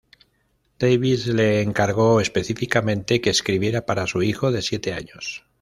Davies le encargó específicamente que escribiera para su hijo de siete años.